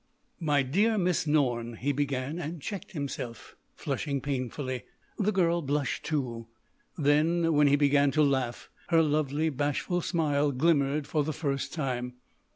"My dear Miss Norne," he began, and checked himself, flushing painfully. The girl blushed, too; then, when he began to laugh, her lovely, bashful smile glimmered for the first time.